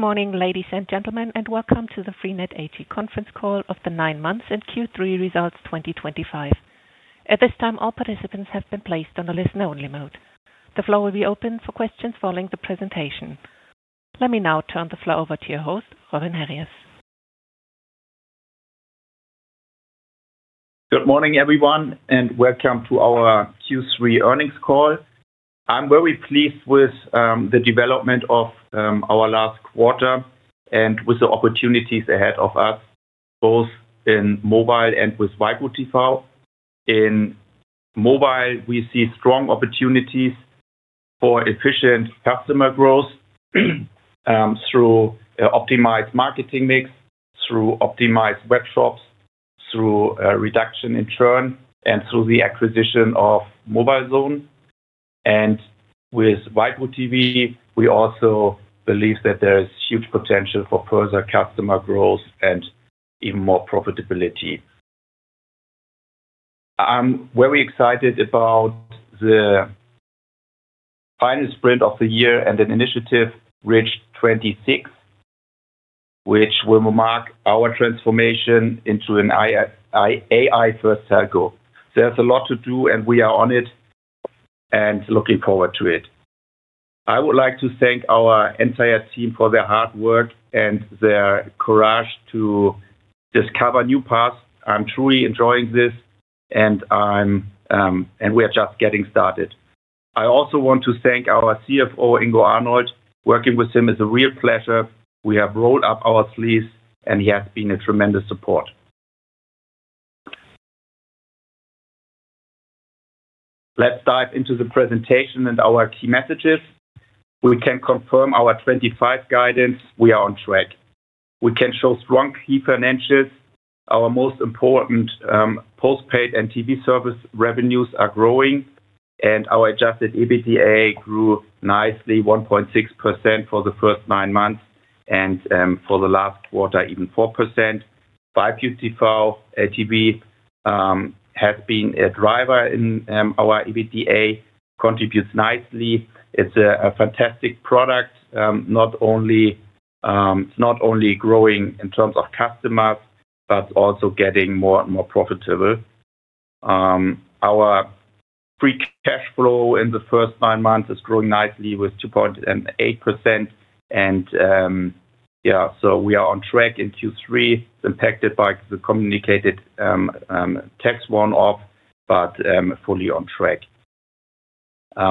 Morning, ladies and gentlemen, and welcome to the freenet AG conference call of the nine months and Q3 results 2025. At this time, all participants have been placed on a listen-only mode. The floor will be open for questions following the presentation. Let me now turn the floor over to your host, Robin Harries. Good morning, everyone, and welcome to our Q3 earnings call. I'm very pleased with the development of our last quarter and with the opportunities ahead of us, both in mobile and with waipu.tv. In mobile, we see strong opportunities for efficient customer growth through an optimized marketing mix, through optimized web shops, through a reduction in churn, and through the acquisition of MobileZone. And with waipu.tv, we also believe that there is huge potential for further customer growth and even more profitability. I'm very excited about the final sprint of the year and an initiative, RIDGE26, which will mark our transformation into an AI-first telco. There is a lot to do, and we are on it. I am looking forward to it. I would like to thank our entire team for their hard work and their courage to discover new paths. I'm truly enjoying this, and. We are just getting started. I also want to thank our CFO, Ingo Arnold. Working with him is a real pleasure. We have rolled up our sleeves, and he has been a tremendous support. Let's dive into the presentation and our key messages. We can confirm our 2025 guidance. We are on track. We can show strong key financials. Our most important postpaid and TV service revenues are growing, and our Adjusted EBITDA grew nicely, 1.6% for the first nine months and for the last quarter, even 4%. Waipu.tv has been a driver in our EBITDA, contributes nicely. It's a fantastic product. Not only growing in terms of customers, but also getting more and more profitable. Our free cash flow in the first nine months is growing nicely with 2.8%. Yeah, we are on track in Q3, impacted by the communicated tax one-off, but fully on track.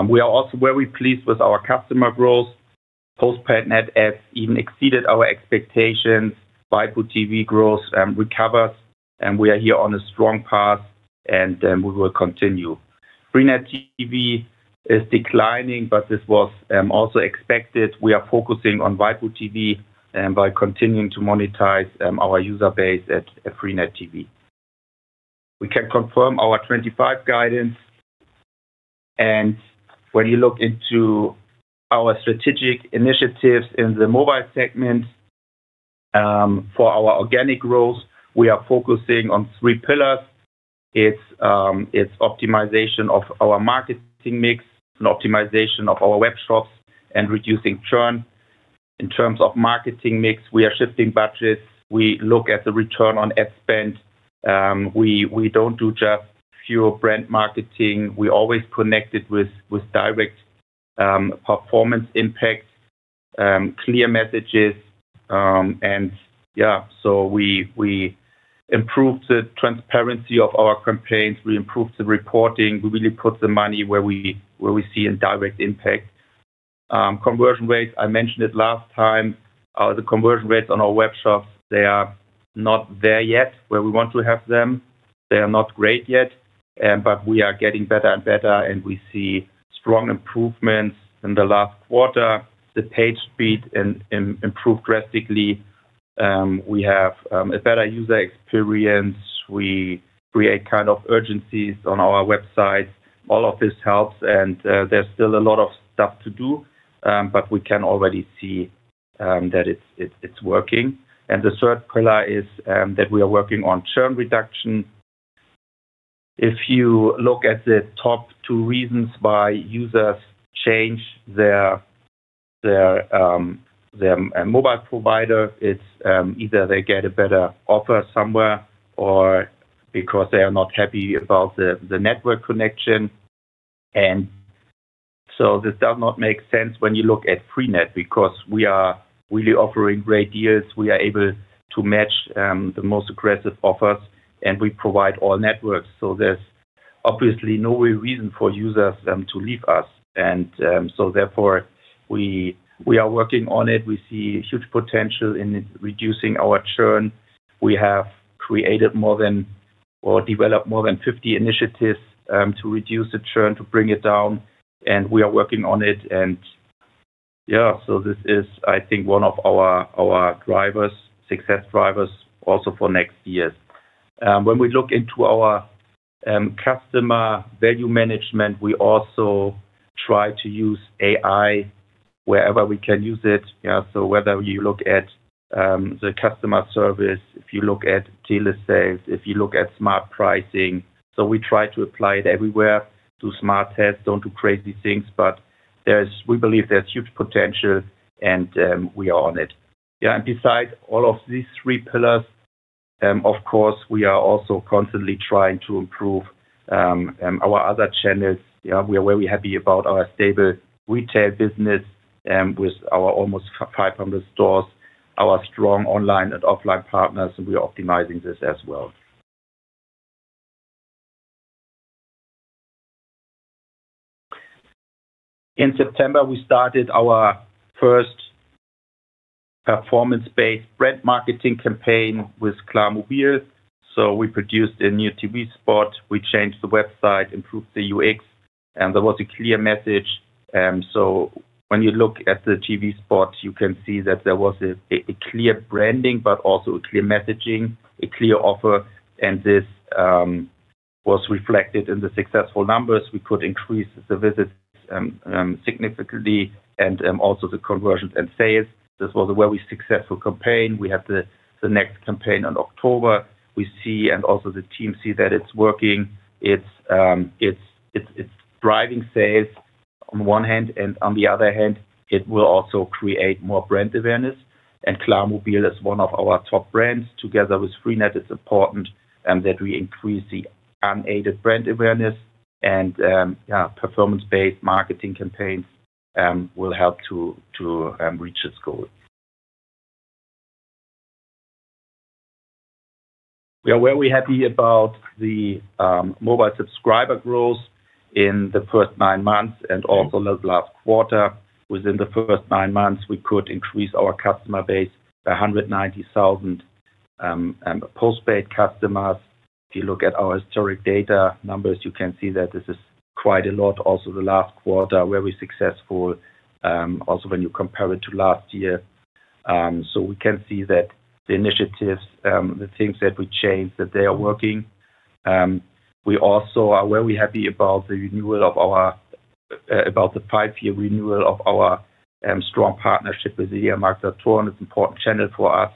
We are also very pleased with our customer growth. Postpaid net adds has even exceeded our expectations. Waipu.tv growth recovers, and we are here on a strong path, and we will continue. freenet TV is declining, but this was also expected. We are focusing on Waipu.tv by continuing to monetize our user base at freenet TV. We can confirm our 2025 guidance. When you look into our strategic initiatives in the mobile segment, for our organic growth, we are focusing on three pillars. It is optimization of our marketing mix, optimization of our web shops, and reducing churn. In terms of marketing mix, we are shifting budgets. We look at the return on ad spend. We do not do just pure brand marketing. We always connect it with direct performance impact, clear messages. Yeah, we improved the transparency of our campaigns. We improved the reporting. We really put the money where we see a direct impact. Conversion rates, I mentioned it last time, the conversion rates on our web shops, they are not there yet where we want to have them. They are not great yet, but we are getting better and better, and we see strong improvements in the last quarter. The page speed improved drastically. We have a better user experience. We create kind of urgencies on our websites. All of this helps, and there is still a lot of stuff to do, but we can already see that it is working. The third pillar is that we are working on churn reduction. If you look at the top two reasons why users change their mobile provider, it is either they get a better offer somewhere or because they are not happy about the network connection. This does not make sense when you look at freenet because we are really offering great deals. We are able to match the most aggressive offers, and we provide all networks. There is obviously no real reason for users to leave us. Therefore, we are working on it. We see huge potential in reducing our churn. We have created or developed more than 50 initiatives to reduce the churn, to bring it down. We are working on it. Yeah, this is, I think, one of our success drivers also for next years. When we look into our customer value management, we also try to use AI wherever we can use it. Yeah, whether you look at the customer service, if you look at dealer sales, if you look at smart pricing. We try to apply it everywhere, do smart tests, do not do crazy things, but we believe there is huge potential, and we are on it. Yeah, and beside all of these three pillars, of course, we are also constantly trying to improve our other channels. Yeah, we are very happy about our stable retail business with our almost 500 stores, our strong online and offline partners, and we are optimizing this as well. In September, we started our first performance-based brand marketing campaign with Klarmobil. We produced a new TV spot, we changed the website, improved the UX, and there was a clear message. When you look at the TV spot, you can see that there was a clear branding, but also a clear messaging, a clear offer, and this was reflected in the successful numbers. We could increase the visits. Significantly and also the conversions and sales. This was a very successful campaign. We had the next campaign in October. We see, and also the team see, that it's working. It's driving sales on one hand, and on the other hand, it will also create more brand awareness. Clara Mobile is one of our top brands. Together with freenet, it's important that we increase the unaided brand awareness. Performance-based marketing campaigns will help to reach its goal. We are very happy about the mobile subscriber growth in the first nine months and also the last quarter. Within the first nine months, we could increase our customer base by 190,000 postpaid customers. If you look at our historic data numbers, you can see that this is quite a lot, also the last quarter, very successful. Also when you compare it to last year. We can see that the initiatives, the things that we changed, that they are working. We also are very happy about the renewal of our, about the five-year renewal of our strong partnership with Media Saturn. It's an important channel for us.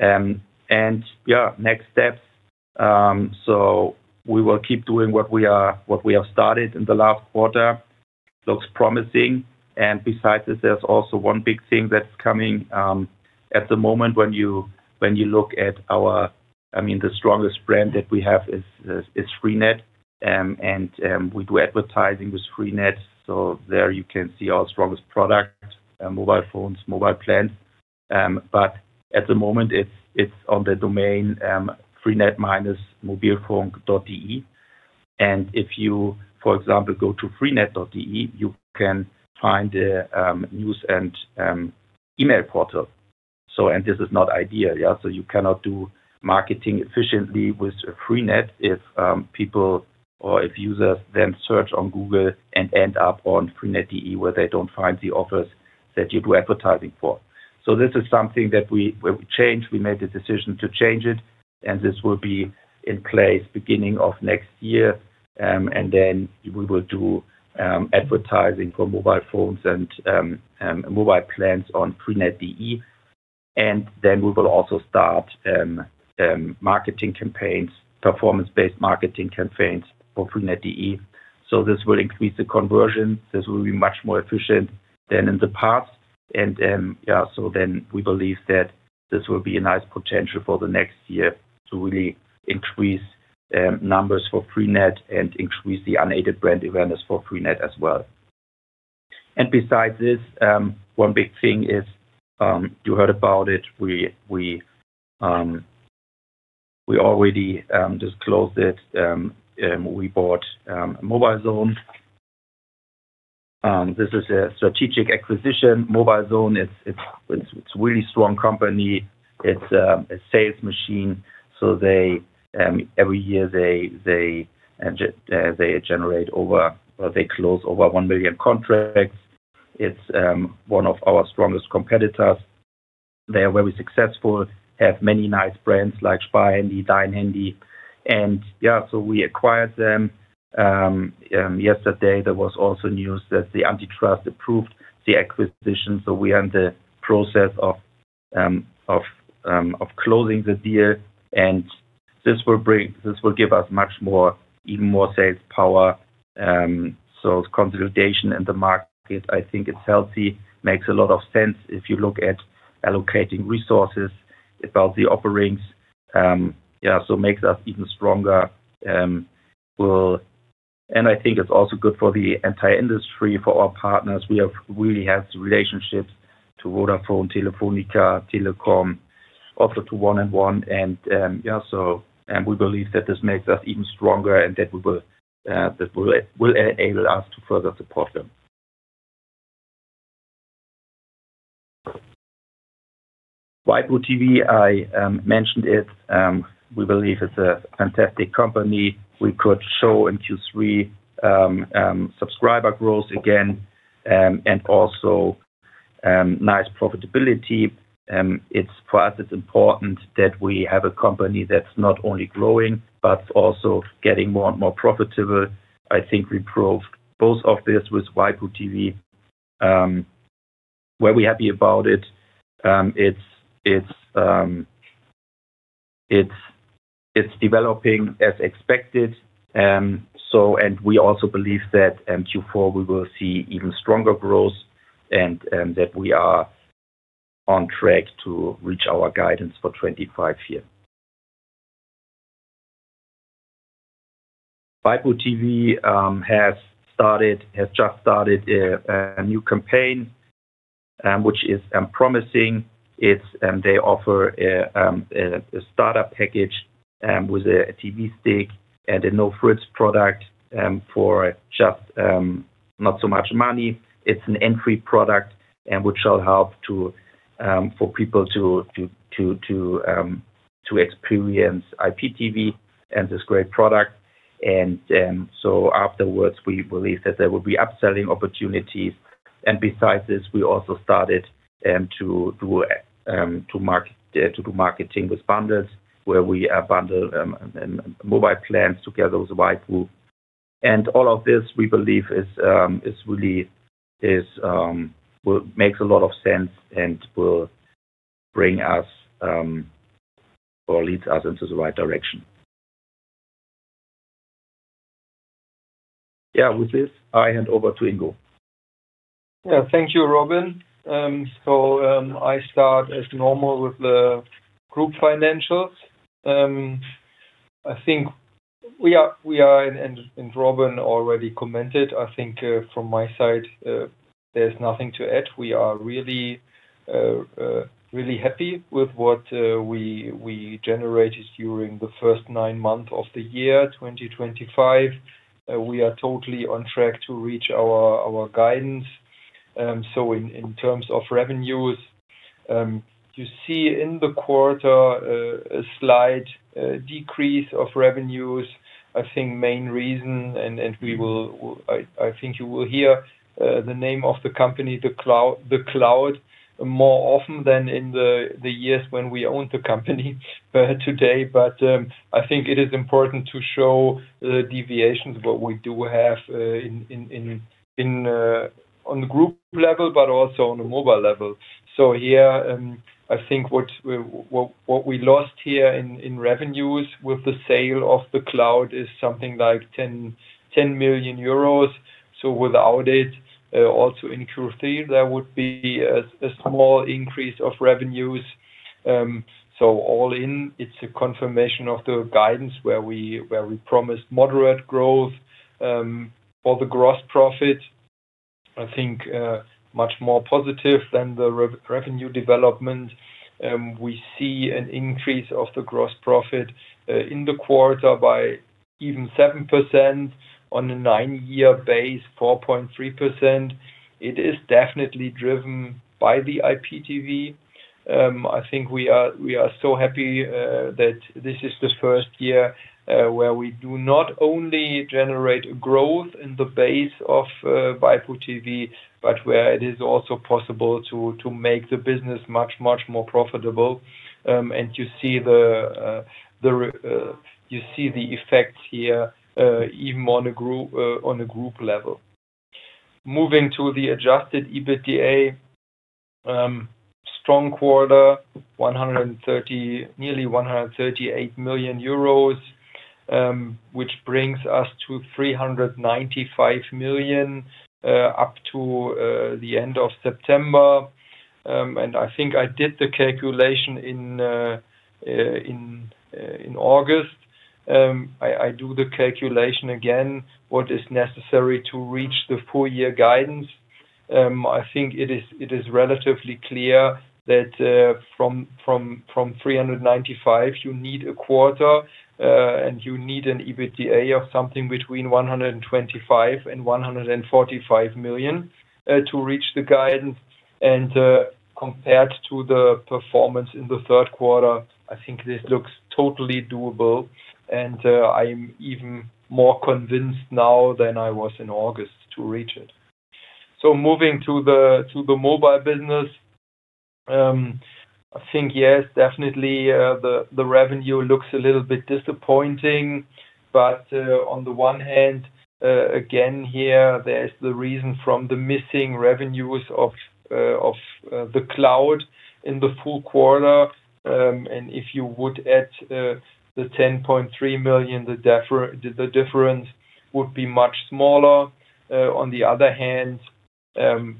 Yeah, next steps. We will keep doing what we have started in the last quarter. Looks promising. Besides this, there's also one big thing that's coming. At the moment when you look at our, I mean, the strongest brand that we have is freenet, and we do advertising with freenet. There you can see our strongest product, mobile phones, mobile plans. At the moment, it's on the domain freenet-mobilephone.de. If you, for example, go to freenet.de, you can find the news and email portal. This is not ideal. Yeah, so you cannot do marketing efficiently with freenet if people or if users then search on Google and end up on freenet.de, where they do not find the offers that you do advertising for. This is something that we changed. We made the decision to change it, and this will be in place beginning of next year. We will do advertising for mobile phones and mobile plans on freenet.de. We will also start marketing campaigns, performance-based marketing campaigns for freenet.de. This will increase the conversion. This will be much more efficient than in the past. Yeah, we believe that this will be a nice potential for next year to really increase numbers for freenet and increase the unaided brand awareness for freenet as well. Besides this, one big thing is you heard about it. We already disclosed that. We bought MobileZone. This is a strategic acquisition. MobileZone is a really strong company. It's a sales machine. Every year, they generate over, they close over one million contracts. It's one of our strongest competitors. They are very successful, have many nice brands like SpieleHandy, DeinHandy. Yeah, we acquired them. Yesterday, there was also news that the antitrust approved the acquisition. We are in the process of closing the deal. This will give us even more sales power. Consolidation in the market, I think it's healthy. Makes a lot of sense if you look at allocating resources about the offerings. Yeah, it makes us even stronger. I think it's also good for the entire industry, for our partners. We have really healthy relationships to Vodafone, Telefónica, Deutsche Telekom, also to 1&1. Yeah, we believe that this makes us even stronger and that will enable us to further support them. Waipu.tv, I mentioned it. We believe it's a fantastic company. We could show in Q3 subscriber growth again, and also nice profitability. For us, it's important that we have a company that's not only growing, but also getting more and more profitable. I think we proved both of this with Waipu.tv. We're happy about it. It's developing as expected. We also believe that in Q4, we will see even stronger growth and that we are on track to reach our guidance for 2025 here. Waipu.tv has just started a new campaign, which is promising. They offer a startup package with a TV stick and a no-fridge product for just not so much money. It's an entry product which will help for people to. Experience IPTV and this great product. Afterwards, we believe that there will be upselling opportunities. Besides this, we also started to do marketing with bundles where we bundle mobile plans together with waipu.tv. All of this, we believe, really makes a lot of sense and will bring us or lead us into the right direction. Yeah, with this, I hand over to Ingo. Yeah, thank you, Robin. I start as normal with the group financials. I think we are, and Robin already commented, I think from my side, there is nothing to add. We are really happy with what we generated during the first nine months of the year 2025. We are totally on track to reach our guidance. In terms of revenues, you see in the quarter a slight decrease of revenues. I think the main reason, and we will, I think you will hear the name of the company, The Cloud, more often than in the years when we owned the company. Today. I think it is important to show the deviations, what we do have. On the group level, but also on the mobile level. Here, I think what we lost here in revenues with the sale of The Cloud is something like 10 million euros. Without it, also in Q3, there would be a small increase of revenues. All in, it's a confirmation of the guidance where we promised moderate growth. For the gross profit, I think much more positive than the revenue development. We see an increase of the gross profit in the quarter by even 7%. On a nine-year base, 4.3%. It is definitely driven by the IPTV. I think we are so happy that this is the first year where we do not only generate growth in the base of waipu.tv, but where it is also possible to make the business much, much more profitable. You see the effects here even more on a group level. Moving to the Adjusted EBITDA. Strong quarter, nearly 138 million euros. Which brings us to 395 million up to the end of September. I think I did the calculation in August. I do the calculation again, what is necessary to reach the full-year guidance. I think it is relatively clear that from 395, you need a quarter, and you need an EBITDA of something between 125 million-145 million to reach the guidance. Compared to the performance in the third quarter, I think this looks totally doable. I'm even more convinced now than I was in August to reach it. Moving to the mobile business, yes, definitely, the revenue looks a little bit disappointing. On the one hand, again, here there's the reason from the missing revenues of The Cloud in the full quarter. If you would add the 10.3 million, the difference would be much smaller. On the other hand, and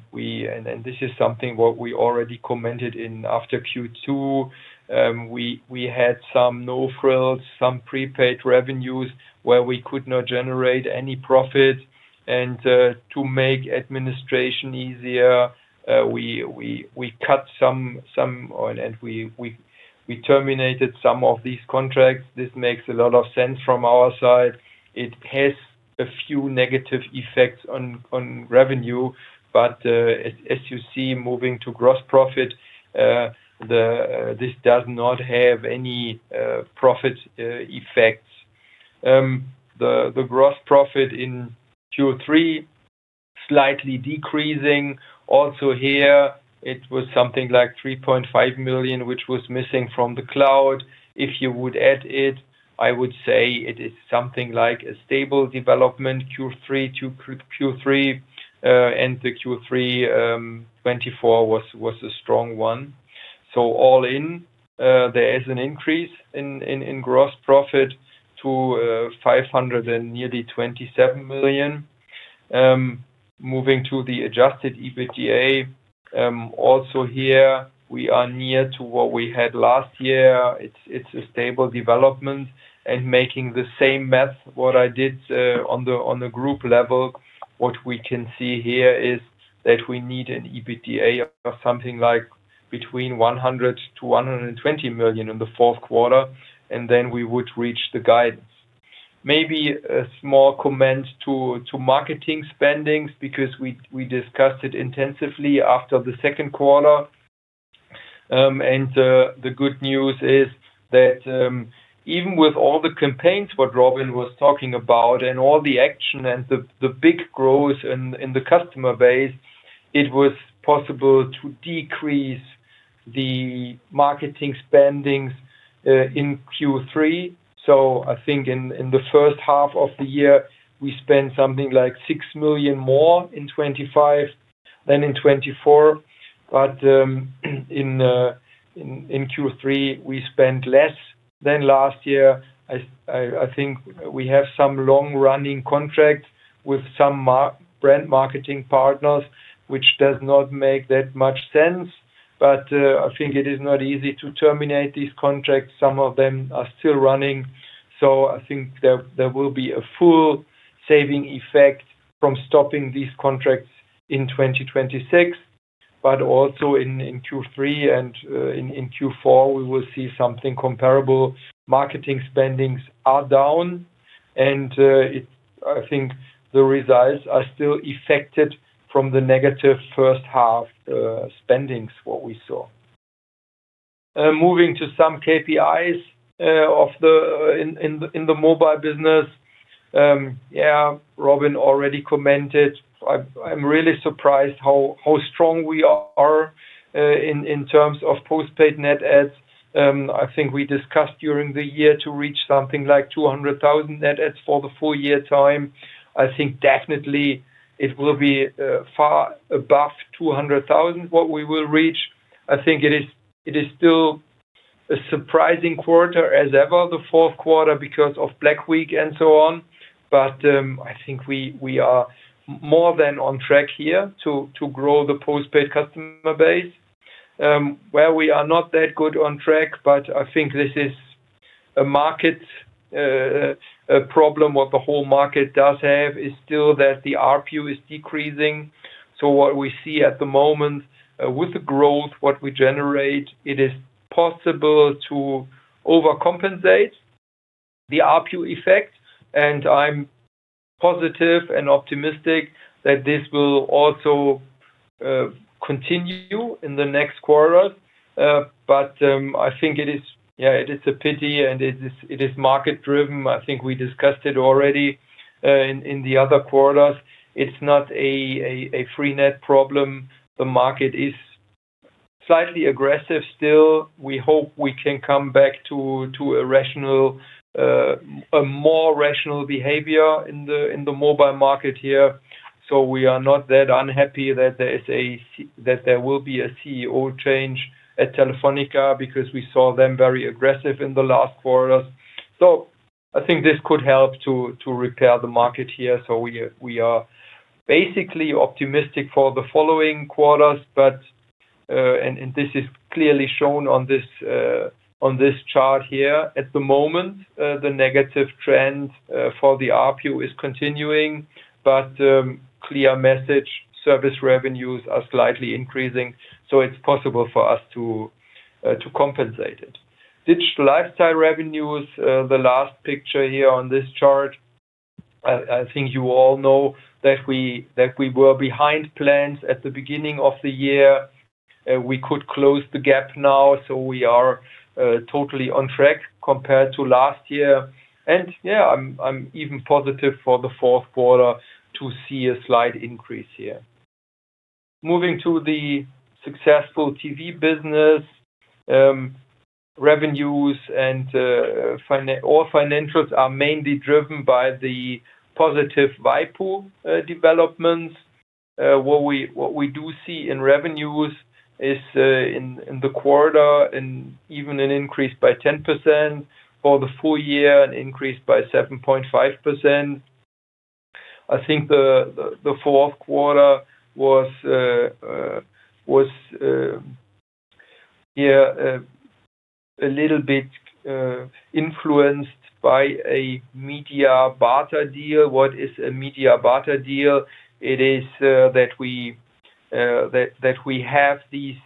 this is something we already commented after Q2, we had some no-frills, some prepaid revenues where we could not generate any profit. To make administration easier, we cut some, and we terminated some of these contracts. This makes a lot of sense from our side. It has a few negative effects on revenue, but as you see, moving to gross profit, this does not have any profit effects. The gross profit in Q3 is slightly decreasing. Also here, it was something like 3.5 million, which was missing from The Cloud. If you would add it, I would say it is something like a stable development Q3 to Q3. The Q3 2024 was a strong one. All in, there is an increase in gross profit to 527 million. Moving to the Adjusted EBITDA, also here, we are near to what we had last year. It is a stable development. Making the same math, what I did on the group level, what we can see here is that we need an EBITDA of something like between 100 million-120 million in the fourth quarter, and then we would reach the guidance. Maybe a small comment to marketing spendings because we discussed it intensively after the second quarter. The good news is that. Even with all the campaigns what Robin was talking about and all the action and the big growth in the customer base, it was possible to decrease the marketing spendings in Q3. I think in the first half of the year, we spent something like 6 million more in 2025 than in 2024. In Q3, we spent less than last year. I think we have some long-running contracts with some brand marketing partners, which does not make that much sense. I think it is not easy to terminate these contracts. Some of them are still running. I think there will be a full saving effect from stopping these contracts in 2026. Also in Q3 and in Q4, we will see something comparable. Marketing spendings are down. I think the results are still affected from the negative first-half spendings, what we saw. Moving to some KPIs. In the mobile business. Yeah, Robin already commented. I'm really surprised how strong we are. In terms of postpaid net adds. I think we discussed during the year to reach something like 200,000 net adds for the full year time. I think definitely it will be far above 200,000 what we will reach. I think it is still a surprising quarter as ever, the fourth quarter because of Black Week and so on. I think we are more than on track here to grow the postpaid customer base. Where we are not that good on track, but I think this is a market problem what the whole market does have is still that the RPU is decreasing. What we see at the moment with the growth, what we generate, it is possible to overcompensate the RPU effect. I'm positive and optimistic that this will also continue in the next quarter. I think it is, yeah, it is a pity and it is market-driven. I think we discussed it already in the other quarters. It's not a freenet problem. The market is slightly aggressive still. We hope we can come back to a more rational behavior in the mobile market here. We are not that unhappy that there will be a CEO change at Telefónica because we saw them very aggressive in the last quarters. I think this could help to repair the market here. We are basically optimistic for the following quarters. This is clearly shown on this chart here. At the moment, the negative trend for the RPU is continuing, but clear message, service revenues are slightly increasing. It's possible for us to compensate it. Digital lifestyle revenues, the last picture here on this chart. I think you all know that we were behind plans at the beginning of the year. We could close the gap now. We are totally on track compared to last year. Yeah, I'm even positive for the fourth quarter to see a slight increase here. Moving to the successful TV business. Revenues and all financials are mainly driven by the positive waipu.tv developments. What we do see in revenues is in the quarter, even an increase by 10%. For the full year, an increase by 7.5%. I think the fourth quarter was here a little bit influenced by a media barter deal. What is a media barter deal? It is that we have these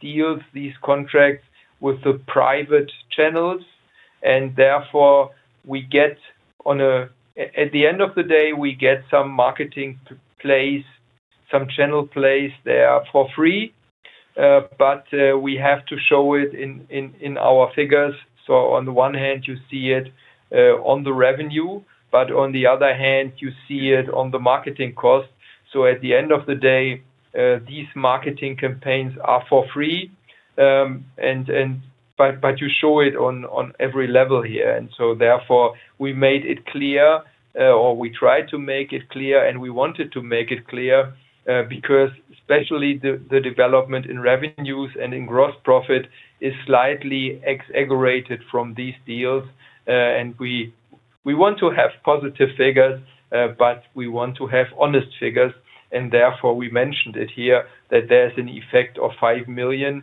deals, these contracts with the private channels. Therefore, we get, at the end of the day, we get some marketing place, some channel place there for free. We have to show it in our figures. On the one hand, you see it on the revenue, but on the other hand, you see it on the marketing cost. At the end of the day, these marketing campaigns are for free, but you show it on every level here. Therefore, we made it clear, or we tried to make it clear, and we wanted to make it clear because especially the development in revenues and in gross profit is slightly exaggerated from these deals. We want to have positive figures, but we want to have honest figures. Therefore, we mentioned it here that there is an effect of 5 million,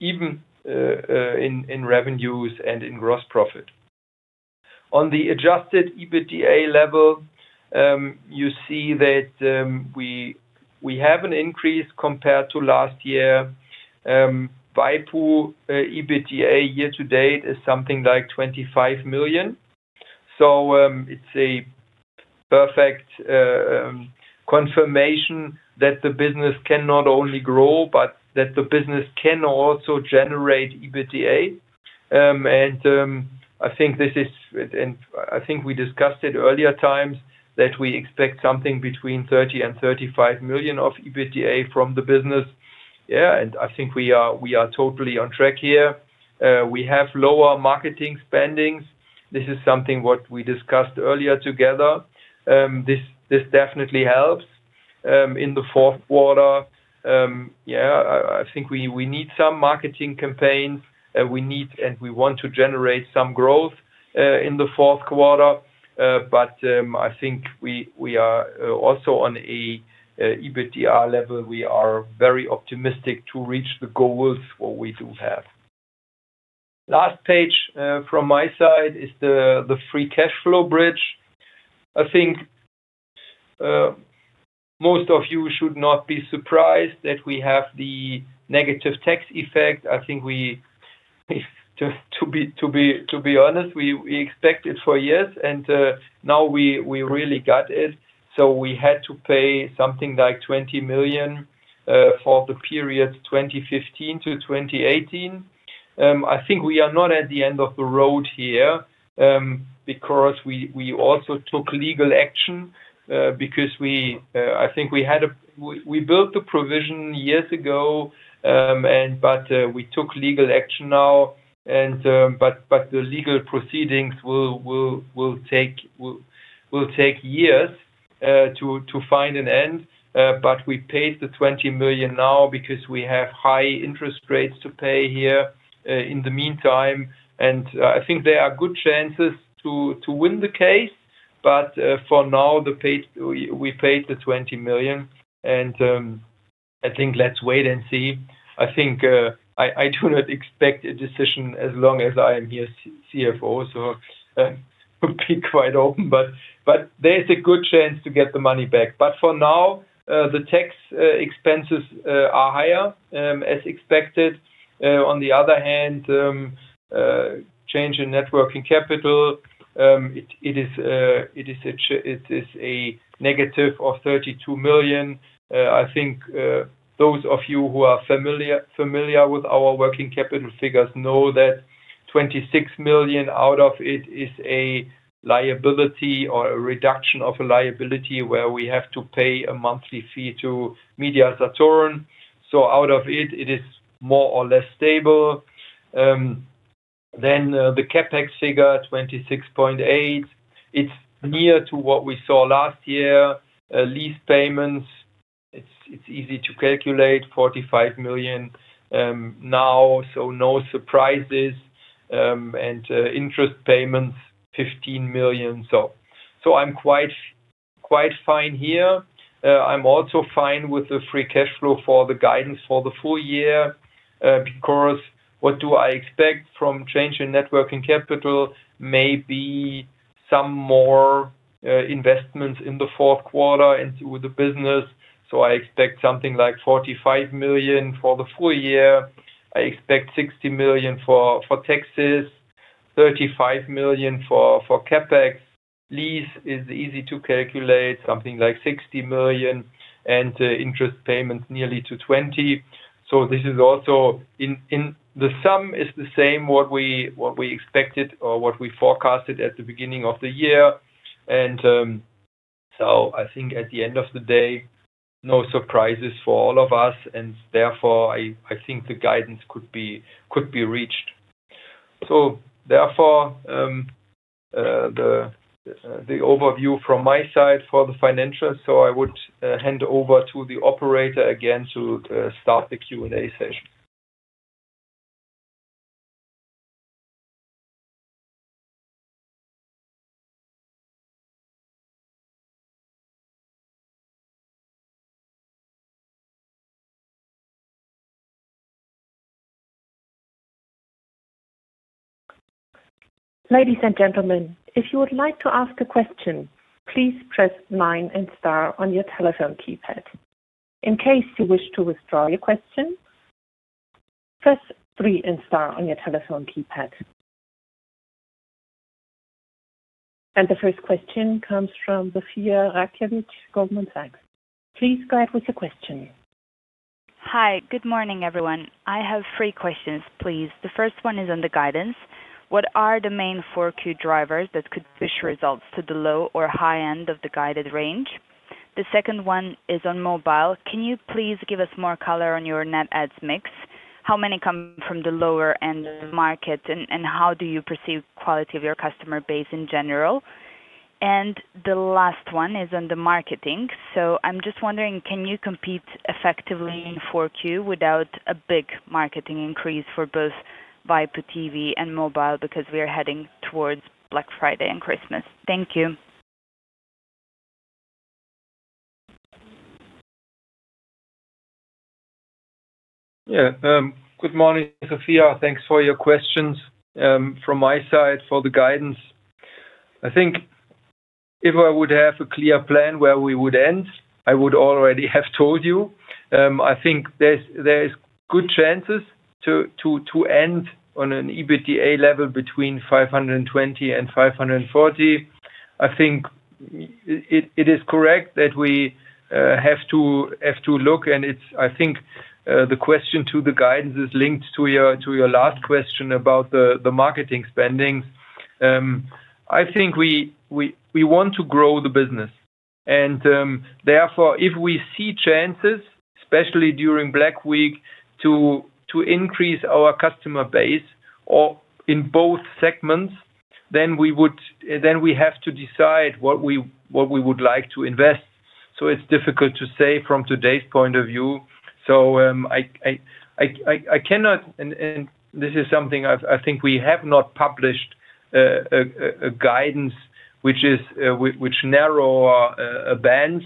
even, in revenues and in gross profit. On the Adjusted EBITDA level. You see that. We have an increase compared to last year. Waipu.tv EBITDA year to date is something like 25 million. So it's a. Perfect. Confirmation that the business can not only grow, but that the business can also generate EBITDA. I think this is, and I think we discussed it earlier times, that we expect something between 30 million and 35 million of EBITDA from the business. Yeah. I think we are totally on track here. We have lower marketing spendings. This is something what we discussed earlier together. This definitely helps. In the fourth quarter. Yeah, I think we need some marketing campaigns. We want to generate some growth in the fourth quarter. I think we are also on an EBITDA level. We are very optimistic to reach the goals what we do have. Last page from my side is the free cash flow bridge. I think most of you should not be surprised that we have the negative tax effect. I think we, to be honest, we expected for years, and now we really got it. We had to pay something like 20 million for the period 2015 to 2018. I think we are not at the end of the road here because we also took legal action because I think we had a, we built the provision years ago. We took legal action now. The legal proceedings will take years to find an end. We paid the 20 million now because we have high interest rates to pay here in the meantime. I think there are good chances to win the case. For now, we paid the 20 million. I think let's wait and see. I think. I do not expect a decision as long as I am here CFO. I will be quite open. There is a good chance to get the money back. For now, the tax expenses are higher as expected. On the other hand, change in networking capital. It is a negative of 32 million. I think those of you who are familiar with our working capital figures know that 26 million out of it is a liability or a reduction of a liability where we have to pay a monthly fee to Media Saturn. Out of it, it is more or less stable. The CapEx figure, 26.8 million. It is near to what we saw last year. Lease payments, it is easy to calculate, 45 million. No surprises. Interest payments, 15 million. I am quite fine here. I'm also fine with the free cash flow for the guidance for the full year. Because what do I expect from change in net working capital? Maybe some more investments in the fourth quarter into the business. I expect something like 45 million for the full year. I expect 60 million for taxes, 35 million for CapEx. Lease is easy to calculate, something like 60 million. And interest payments nearly to 20 million. This is also the sum, is the same what we expected or what we forecasted at the beginning of the year. I think at the end of the day, no surprises for all of us. Therefore, I think the guidance could be reached. Therefore, the overview from my side for the financials. I would hand over to the operator again to start the Q&A session. Ladies and gentlemen, if you would like to ask a question, please press nine and star on your telephone keypad. In case you wish to withdraw your question, press three and star on your telephone keypad. The first question comes from [Zofia Rakiewicz], Goldman Sachs. Please go ahead with your question. Hi. Good morning, everyone. I have three questions, please. The first one is on the guidance. What are the main four key drivers that could push results to the low or high end of the guided range? The second one is on mobile. Can you please give us more color on your net adds mix? How many come from the lower end of the market, and how do you perceive quality of your customer base in general? The last one is on the marketing. I'm just wondering, can you compete effectively in Q4 without a big marketing increase for both waipu.tv and mobile because we are heading towards Black Friday and Christmas? Thank you. Yeah. Good morning, Zofia. Thanks for your questions. From my side, for the guidance. I think if I would have a clear plan where we would end, I would already have told you. I think there's good chances to end on an EBITDA level between 520 million and 540 million. I think it is correct that we have to look. I think the question to the guidance is linked to your last question about the marketing spendings. I think we want to grow the business. Therefore, if we see chances, especially during Black Week, to increase our customer base in both segments, then we have to decide what we would like to invest. It is difficult to say from today's point of view. I cannot, and this is something I think we have not published, a guidance which narrows our bands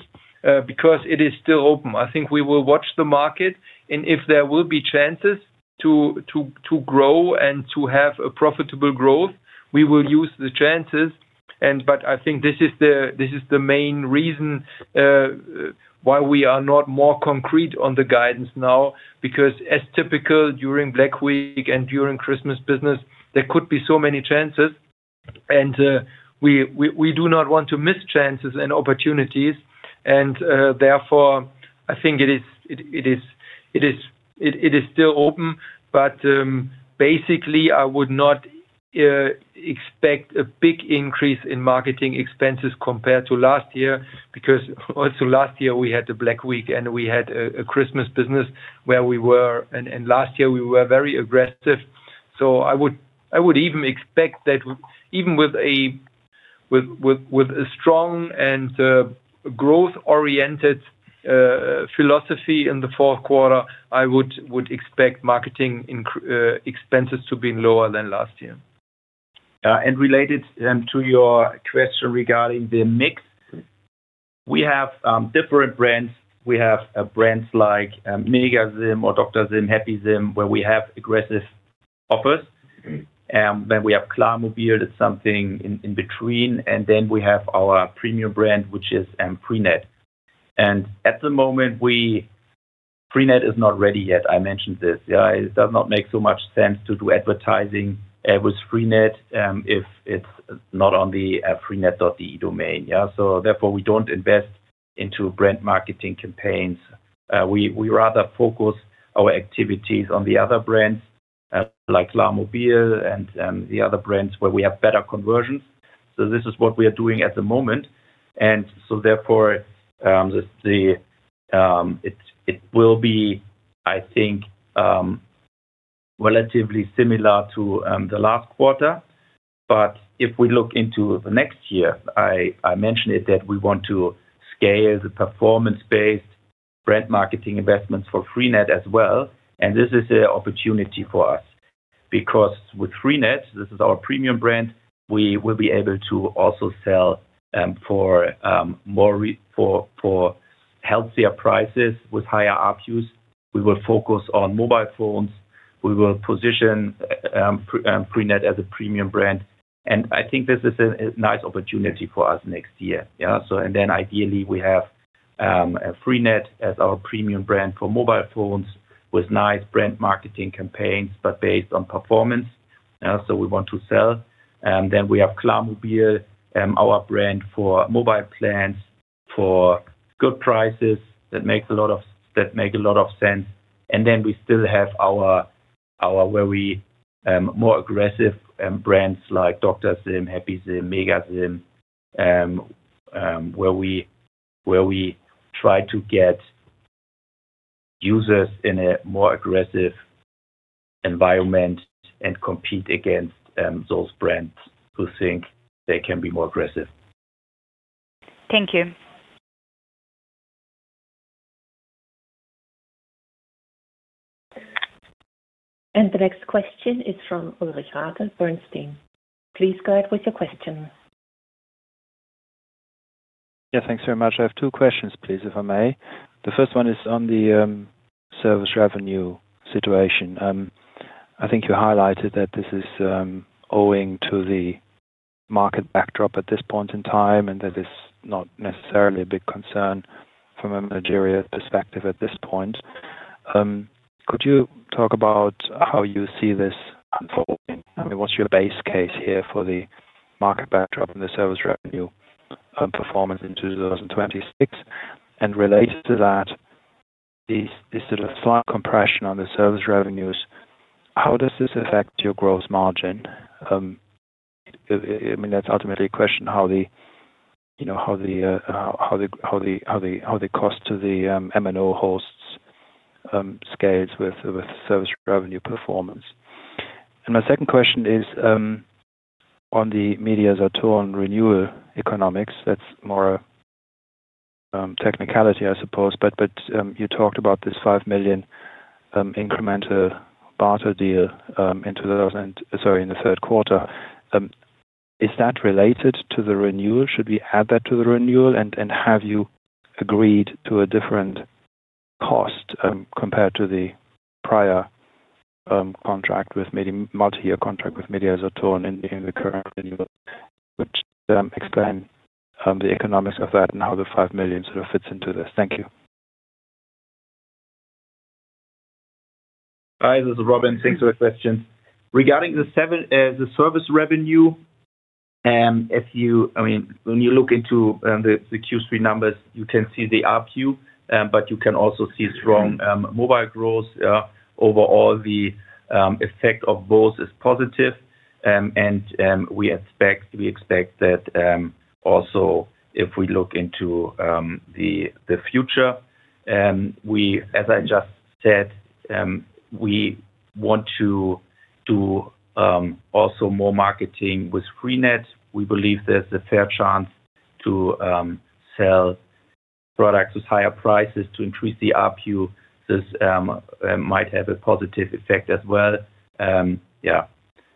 because it is still open. I think we will watch the market, and if there will be chances to grow and to have a profitable growth, we will use the chances. I think this is the main reason why we are not more concrete on the guidance now because, as typical during Black Week and during Christmas business, there could be so many chances. We do not want to miss chances and opportunities. Therefore, I think it is still open. Basically, I would not expect a big increase in marketing expenses compared to last year because also last year we had the Black Week and we had a Christmas business where we were. Last year, we were very aggressive. I would even expect that even with a strong and growth-oriented philosophy in the fourth quarter, I would expect marketing expenses to be lower than last year. Yeah. Related to your question regarding the mix, we have different brands. We have brands like MegaZim or Dr. Zim, HappyZim, where we have aggressive offers. We have Klarmobil, it's something in between. We have our premium brand, which is freenet. At the moment, freenet is not ready yet. I mentioned this. Yeah. It does not make so much sense to do advertising with freenet if it's not on the freenet.de domain. Yeah. Therefore, we do not invest into brand marketing campaigns. We rather focus our activities on the other brands, like Klarmobil and the other brands where we have better conversions. This is what we are doing at the moment. Therefore, it will be, I think, relatively similar to the last quarter. If we look into the next year, I mentioned that we want to scale the performance-based brand marketing investments for freenet as well. This is an opportunity for us because with freenet, this is our premium brand, we will be able to also sell for healthier prices with higher RPUs. We will focus on mobile phones. We will position freenet as a premium brand. I think this is a nice opportunity for us next year. Yeah. Ideally, we have freenet as our premium brand for mobile phones with nice brand marketing campaigns, but based on performance. We want to sell. We have Klarmobil, our brand for mobile plans for good prices that make a lot of sense. We still have our more aggressive brands like Dr.SIM, HappySIM, MegaSIM, where we try to get users in a more aggressive environment and compete against those brands who think they can be more aggressive. Thank you. The next question is from Ulrich Rathe, Bernstein. Please go ahead with your question. Yeah, thanks very much. I have two questions, please, if I may. The first one is on the service revenue situation. I think you highlighted that this is owing to the market backdrop at this point in time and that it's not necessarily a big concern from a Nigeria perspective at this point. Could you talk about how you see this unfolding? I mean, what's your base case here for the market backdrop and the service revenue performance in 2026? Related to that, this sort of slight compression on the service revenues, how does this affect your gross margin? I mean, that's ultimately a question how the cost to the MNO hosts scales with service revenue performance. My second question is on the Media Saturn renewal economics. That's more a technicality, I suppose, but you talked about this 5 million incremental barter deal in the third quarter. Is that related to the renewal? Should we add that to the renewal? Have you agreed to a different cost compared to the prior contract with Media Saturn in the current renewal? Could you explain the economics of that and how the 5 million sort of fits into this? Thank you. Hi. This is Robin. Thanks for the question. Regarding the service revenue, I mean, when you look into the Q3 numbers, you can see the RPU, but you can also see strong mobile growth. Overall, the effect of both is positive. We expect that. Also, if we look into the future. As I just said, we want to do also more marketing with freenet. We believe there's a fair chance to sell products with higher prices to increase the RPU. This might have a positive effect as well. Yeah.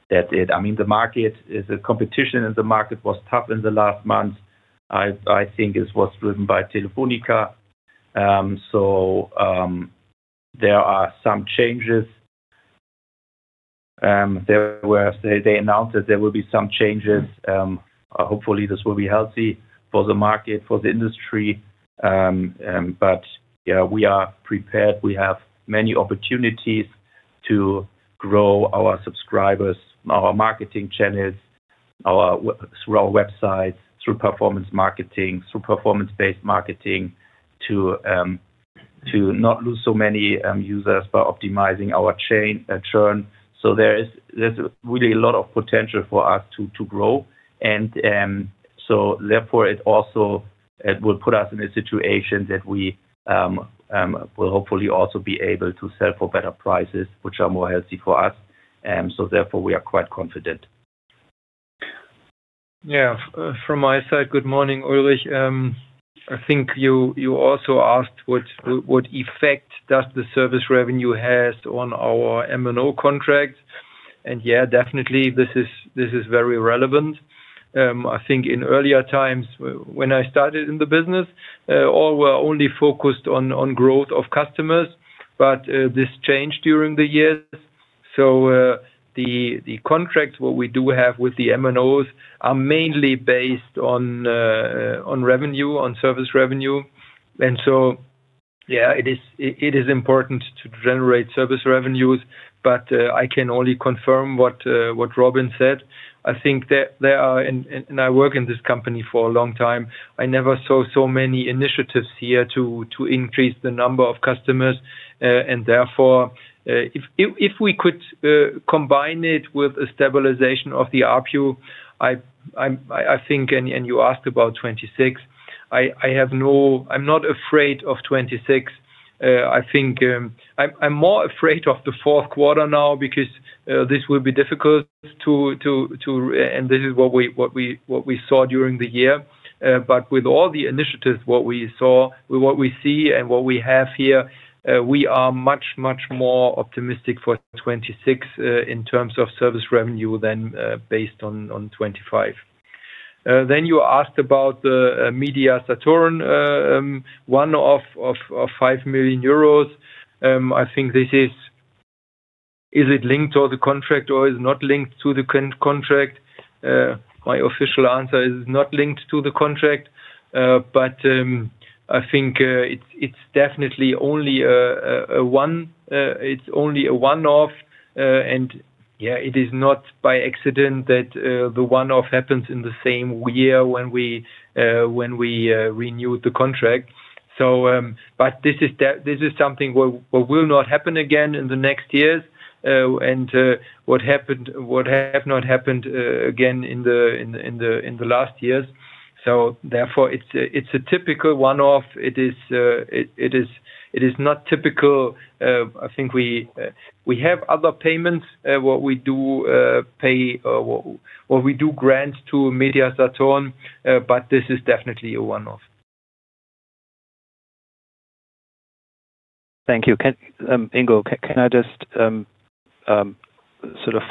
That's it. I mean, the market is a competition, and the market was tough in the last month. I think it was driven by Telefónica. There are some changes. They announced that there will be some changes. Hopefully, this will be healthy for the market, for the industry. Yeah, we are prepared. We have many opportunities to grow our subscribers, our marketing channels, our websites through performance marketing, through performance-based marketing too. Not lose so many users by optimizing our churn. There is really a lot of potential for us to grow. Therefore, it also will put us in a situation that we will hopefully also be able to sell for better prices, which are more healthy for us. Therefore, we are quite confident. Yeah. From my side, good morning, Ulrich. I think you also asked what effect the service revenue has on our MNO contracts. Yeah, definitely, this is very relevant. I think in earlier times, when I started in the business, all were only focused on growth of customers. This changed during the years. The contracts we have with the MNOs are mainly based on revenue, on service revenue. Yeah, it is important to generate service revenues. I can only confirm what Robin said. I think there are, and I work in this company for a long time, I never saw so many initiatives here to increase the number of customers. Therefore, if we could combine it with the stabilization of the RPU, I think, and you asked about 2026, I'm not afraid of 2026. I think I'm more afraid of the fourth quarter now because this will be difficult. This is what we saw during the year. With all the initiatives, what we saw, what we see, and what we have here, we are much, much more optimistic for 2026 in terms of service revenue than based on 2025. You asked about Media Saturn. One of 5 million euros. I think this is. Is it linked to the contract or is it not linked to the contract? My official answer is it's not linked to the contract. I think it's definitely only a one-off. It is not by accident that the one-off happens in the same year when we renewed the contract. This is something that will not happen again in the next years and has not happened again in the last years. Therefore, it's a typical one-off. It is not typical. I think we have other payments that we do pay or that we do grant to Media Saturn, but this is definitely a one-off. Thank you. Ingo, can I just sort of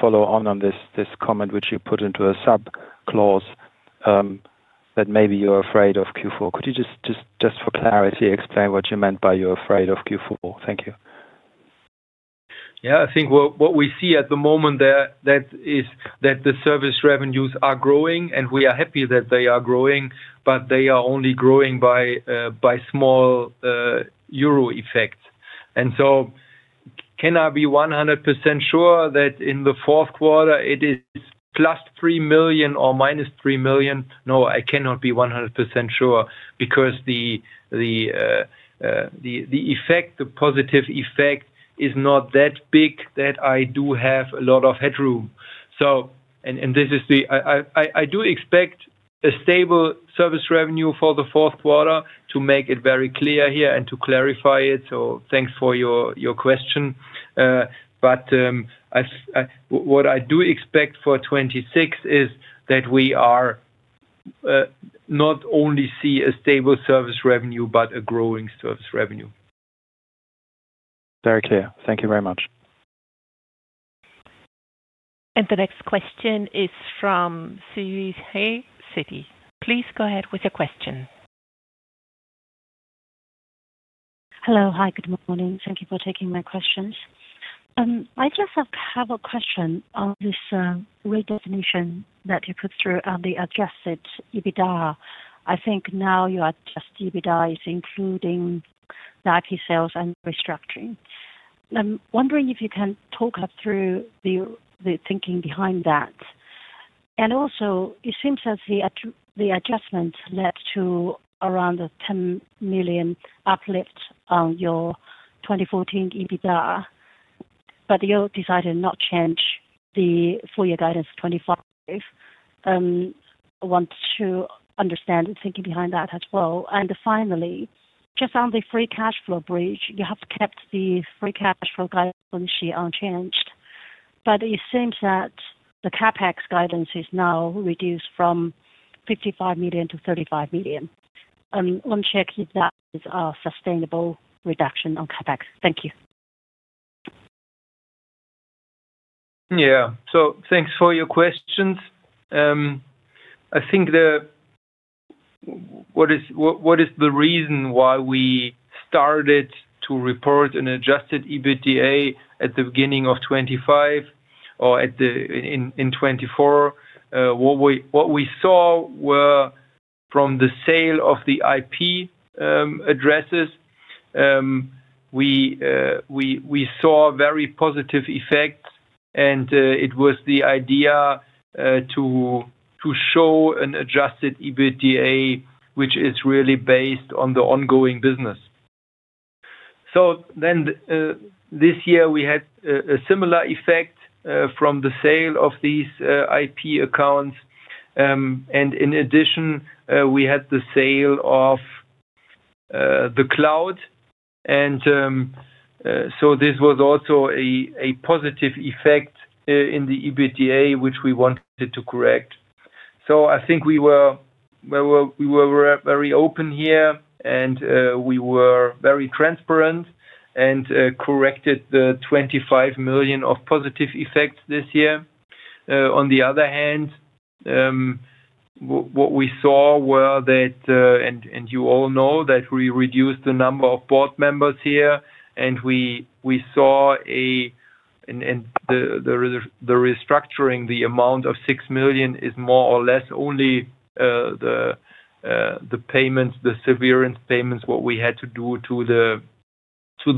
follow on this comment which you put into a sub-clause, that maybe you're afraid of Q4? Could you just, just for clarity, explain what you meant by you're afraid of Q4? Thank you. Yeah. I think what we see at the moment is that the service revenues are growing, and we are happy that they are growing, but they are only growing by a small euro effect. Can I be 100% sure that in the fourth quarter, it is +3 million or -3 million? No, I cannot be 100% sure because the effect, the positive effect, is not that big that I do have a lot of headroom. I do expect a stable service revenue for the fourth quarter to make it very clear here and to clarify it. Thank you for your question. What I do expect for 2026 is that we are not only seeing a stable service revenue but a growing service revenue. Very clear. Thank you very much. The next question is from [Sirihay], Citi. Please go ahead with your question. Hello. Hi. Good morning. Thank you for taking my questions. I just have a question on this redefinition that you put through on the Adjusted EBITDA. I think now your Adjusted EBITDA is including the IP sales and restructuring. I'm wondering if you can talk us through the thinking behind that. Also, it seems as the adjustment led to around a 10 million uplift on your 2014 EBITDA. You decided not to change the full-year guidance 2025. I want to understand the thinking behind that as well. Finally, just on the free cash flow bridge, you have kept the free cash flow guidance on the sheet unchanged. It seems that the CapEx guidance is now reduced from 55 million to 35 million. I want to check if that is a sustainable reduction on CapEx. Thank you. Yeah. Thanks for your questions. I think what is the reason why we started to report an Adjusted EBITDA at the beginning of 2025 or in 2024? What we saw were from the sale of the IP addresses. We saw very positive effects, and it was the idea to show an Adjusted EBITDA, which is really based on the ongoing business. Then this year, we had a similar effect from the sale of these IP accounts. In addition, we had the sale of The Cloud. This was also a positive effect in the EBITDA, which we wanted to correct. I think we were very open here, and we were very transparent and corrected the 25 million of positive effects this year. On the other hand, what we saw were that, and you all know, that we reduced the number of board members here, and we. Saw a. The restructuring, the amount of 6 million is more or less only the payments, the severance payments, what we had to do to the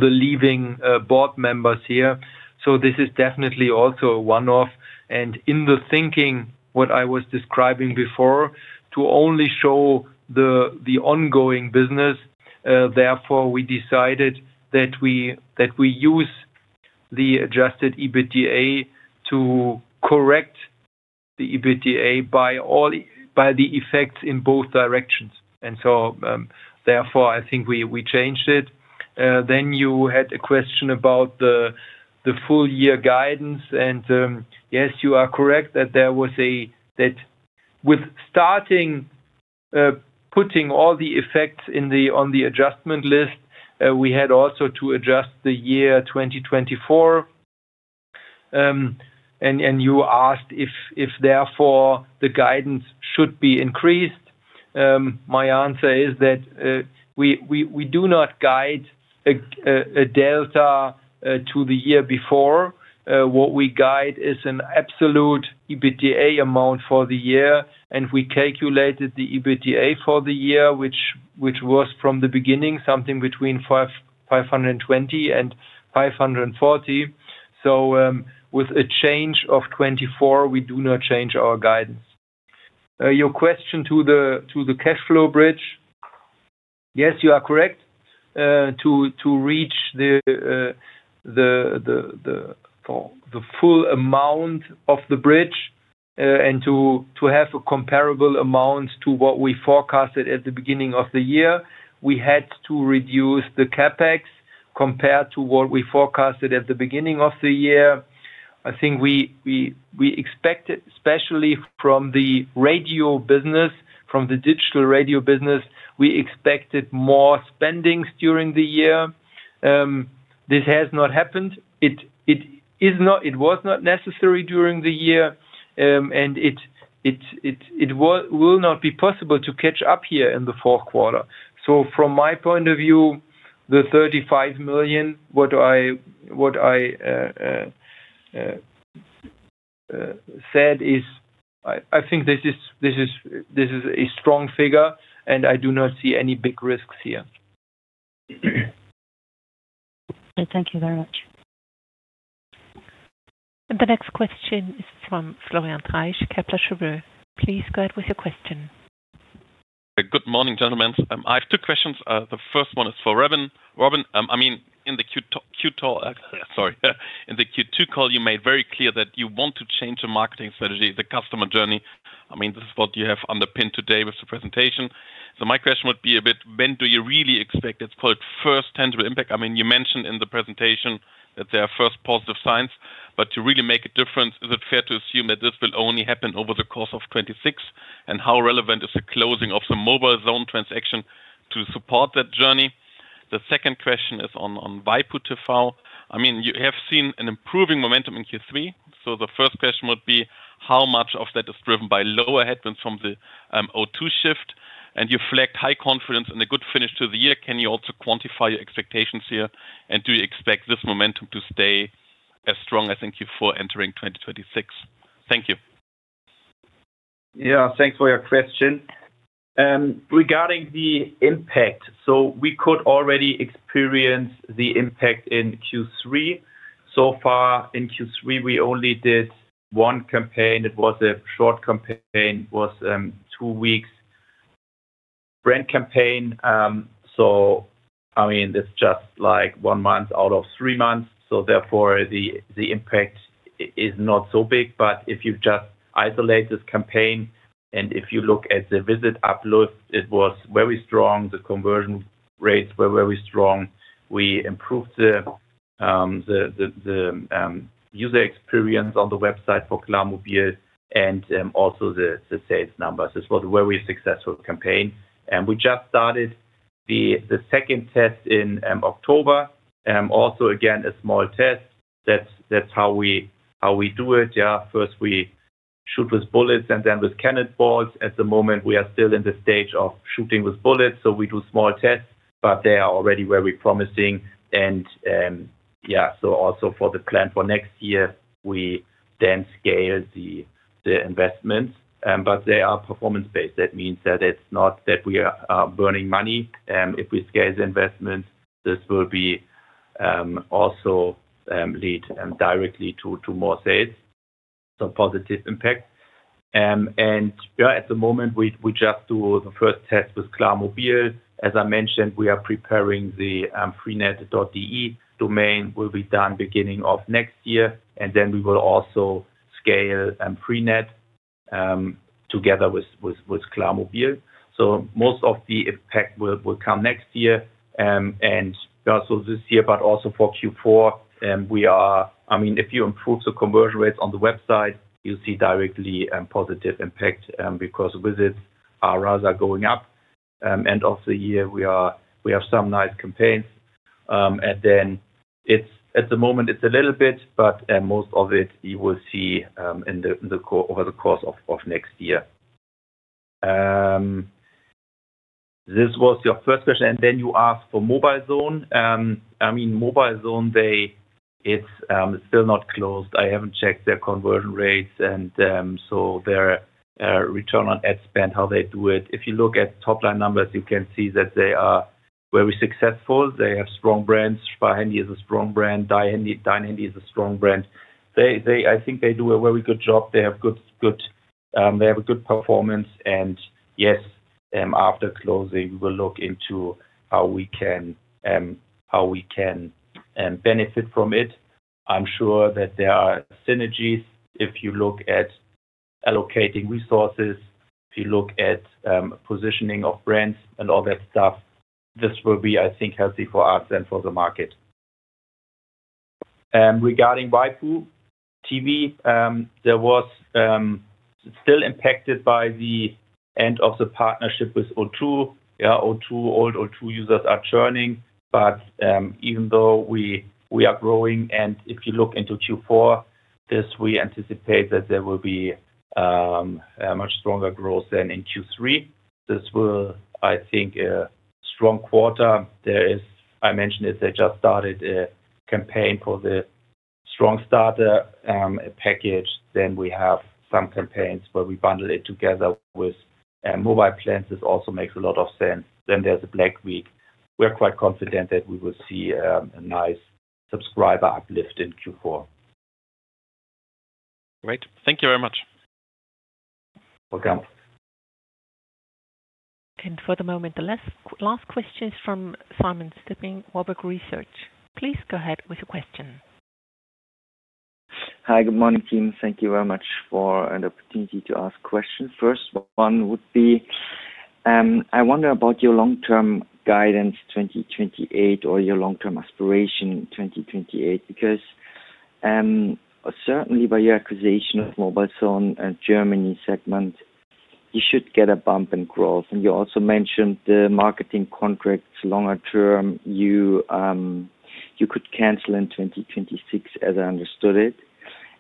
leaving board members here. This is definitely also a one-off. In the thinking, what I was describing before, to only show the ongoing business. Therefore, we decided that we use the Adjusted EBITDA to correct the EBITDA by the effects in both directions. Therefore, I think we changed it. You had a question about the full-year guidance. Yes, you are correct that there was a, with starting putting all the effects on the adjustment list, we had also to adjust the year 2024. You asked if, therefore, the guidance should be increased. My answer is that we do not guide a delta to the year before. What we guide is an absolute EBITDA amount for the year. We calculated the EBITDA for the year, which was from the beginning something between 520 million and 540 million. With a change of 24 million, we do not change our guidance. Your question to the cash flow bridge. Yes, you are correct. To reach the full amount of the bridge and to have a comparable amount to what we forecasted at the beginning of the year, we had to reduce the CapEx compared to what we forecasted at the beginning of the year. I think we expected, especially from the radio business, from the digital radio business, we expected more spendings during the year. This has not happened. It was not necessary during the year, and it will not be possible to catch up here in the fourth quarter. From my point of view, the 35 million, what I. Said is I think this is a strong figure, and I do not see any big risks here. Thank you very much. The next question is from Florian Treisch, Kepler Cheuvreux. Please go ahead with your question. Good morning, gentlemen. I have two questions. The first one is for Robin. Robin, I mean, in the Q2, sorry, in the Q2 call, you made very clear that you want to change the marketing strategy, the customer journey. I mean, this is what you have underpinned today with the presentation. My question would be a bit, when do you really expect it's called first tangible impact? I mean, you mentioned in the presentation that there are first positive signs, but to really make a difference, is it fair to assume that this will only happen over the course of 2026? How relevant is the closing of the MobileZone transaction to support that journey? The second question is on waipu.tv. I mean, you have seen an improving momentum in Q3. The first question would be, how much of that is driven by lower headwinds from the O2 shift? You flagged high confidence and a good finish to the year. Can you also quantify your expectations here? Do you expect this momentum to stay as strong as in Q4 entering 2026? Thank you. Yeah. Thanks for your question. Regarding the impact, we could already experience the impact in Q3. In Q3, we only did one campaign. It was a short campaign. It was two weeks. Brand campaign. I mean, it's just like one month out of three months. Therefore, the impact is not so big. If you just isolate this campaign and if you look at the visit uplift, it was very strong. The conversion rates were very strong. We improved the user experience on the website for Klarmobil and also the sales numbers. This was a very successful campaign. We just started the second test in October. Also, again, a small test. That's how we do it. Yeah. First, we shoot with bullets and then with cannonballs. At the moment, we are still in the stage of shooting with bullets. We do small tests, but they are already very promising. Yeah, also for the plan for next year, we then scale the investments. They are performance-based. That means that it's not that we are burning money. If we scale the investments, this will also lead directly to more sales. Positive impact. Yeah, at the moment, we just do the first test with Klarmobil. As I mentioned, we are preparing the freenet.de domain. It will be done beginning of next year. We will also scale freenet together with Klarmobil. Most of the impact will come next year. Also this year, but also for Q4, I mean, if you improve the conversion rates on the website, you will see directly a positive impact because visits are rather going up. End of the year, we have some nice campaigns. At the moment, it is a little bit, but most of it you will see over the course of next year. This was your first question. Then you asked for MobileZone. I mean, MobileZone, it is still not closed. I have not checked their conversion rates. Their return on ad spend, how they do it. If you look at top-line numbers, you can see that they are very successful. They have strong brands. SpieleHandy is a strong brand. DeinHandy is a strong brand. I think they do a very good job. They have good performance. Yes, after closing, we will look into how we can benefit from it. I'm sure that there are synergies. If you look at allocating resources, if you look at positioning of brands and all that stuff, this will be, I think, healthy for us and for the market. Regarding waipu.tv, there was still impact by the end of the partnership with O2. O2, old O2 users are churning. Even though we are growing, and if you look into Q4, we anticipate that there will be much stronger growth than in Q3. This will, I think, be a strong quarter. I mentioned that they just started a campaign for the strong starter, a package. We have some campaigns where we bundle it together with mobile plans. This also makes a lot of sense. There is a Black Week. We're quite confident that we will see a nice subscriber uplift in Q4. Great. Thank you very much. Welcome. For the moment, the last question is from Simon Stippig, Warburg Research. Please go ahead with your question. Hi. Good morning, team. Thank you very much for an opportunity to ask questions. First one would be, I wonder about your long-term guidance 2028 or your long-term aspiration 2028 because certainly, by your acquisition of MobileZone and Germany segment, you should get a bump in growth. You also mentioned the marketing contracts longer term. You. Could cancel in 2026, as I understood it.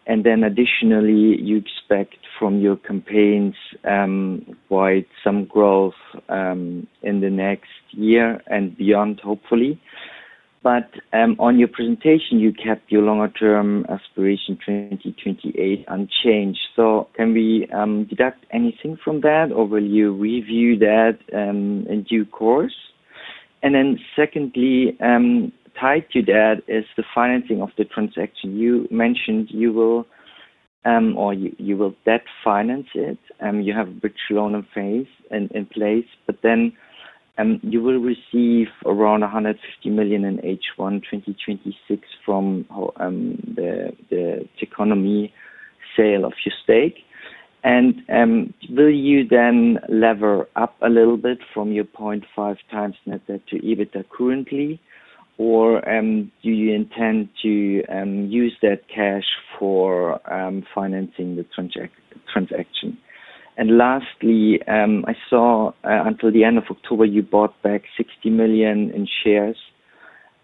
Additionally, you expect from your campaigns quite some growth in the next year and beyond, hopefully. On your presentation, you kept your longer-term aspiration 2028 unchanged. Can we deduct anything from that, or will you review that in due course? Secondly, tied to that is the financing of the transaction. You mentioned you will, or you will debt finance it. You have a bridge loan in place. You will receive around 150 million in H1 2026 from the Teconomy sale of your stake. Will you then lever up a little bit from your 0.5 times net debt to EBITDA currently, or do you intend to use that cash for financing the transaction? Lastly, I saw until the end of October, you bought back 60 million in shares.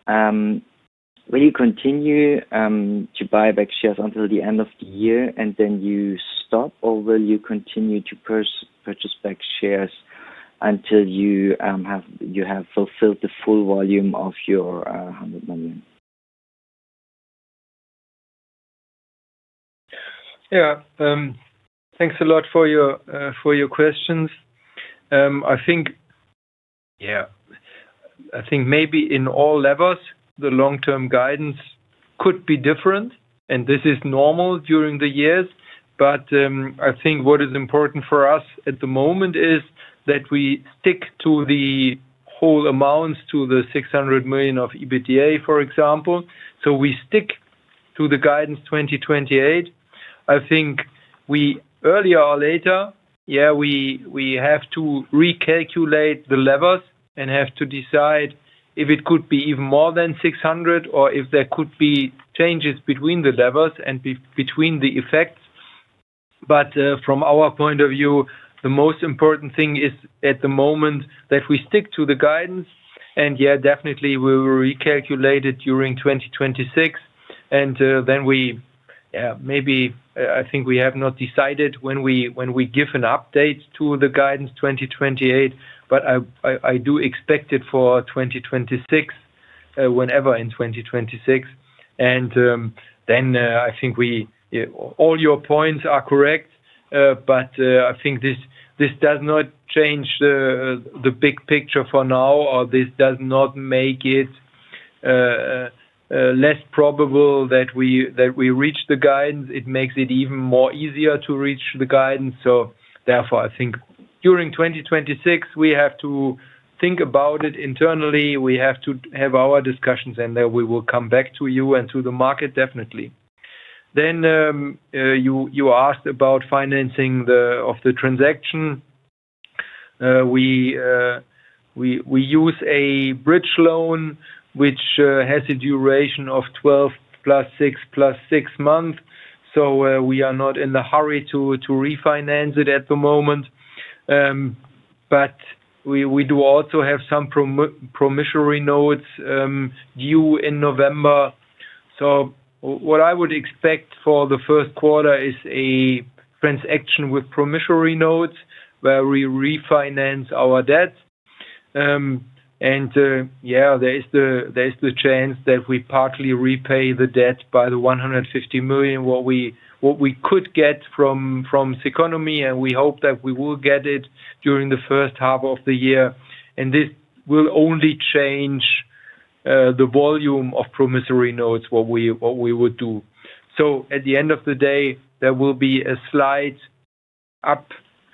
Will you continue to buy back shares until the end of the year, and then you stop, or will you continue to purchase back shares until you have fulfilled the full volume of your 100 million? Yeah. Thanks a lot for your questions. I think. Yeah. I think maybe in all levels, the long-term guidance could be different. This is normal during the years. I think what is important for us at the moment is that we stick to the whole amounts, to the 600 million of EBITDA, for example. We stick to the guidance 2028. I think. Earlier or later, yeah, we have to recalculate the levers and have to decide if it could be even more than 600 million or if there could be changes between the levers and between the effects. From our point of view, the most important thing is at the moment that we stick to the guidance. Yeah, definitely, we will recalculate it during 2026. We, yeah, maybe, I think we have not decided when we give an update to the guidance 2028. I do expect it for 2026, whenever in 2026. I think all your points are correct. I think this does not change the big picture for now, or this does not make it less probable that we reach the guidance. It makes it even more easier to reach the guidance. Therefore, I think during 2026, we have to think about it internally. We have to have our discussions, and then we will come back to you and to the market, definitely. You asked about financing of the transaction. We. Use a bridge loan, which has a duration of 12 + 6 + 6 months. We are not in a hurry to refinance it at the moment. We do also have some promissory notes due in November. What I would expect for the first quarter is a transaction with promissory notes where we refinance our debt. Yeah, there is the chance that we partly repay the debt by the 150 million what we could get from Teconomy. We hope that we will get it during the first half of the year. This will only change the volume of promissory notes what we would do. At the end of the day, there will be a slight up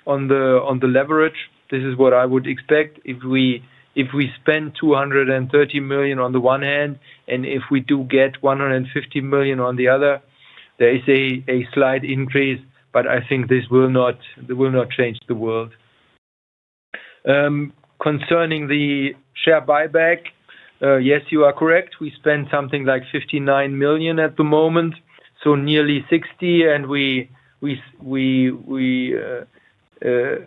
on the leverage. This is what I would expect. If we spend 230 million on the one hand and if we do get 150 million on the other, there is a slight increase. I think this will not change the world. Concerning the share buyback, yes, you are correct. We spend something like 59 million at the moment, so nearly 60 million. We